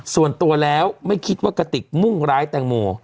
ส่วนตัวแล้วไม่คิดว่ากระติกมุ่งร้ายแตงโม